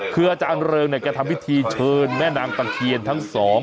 คืออาจารย์เริงเนี่ยแกทำพิธีเชิญแม่นางตะเคียนทั้งสอง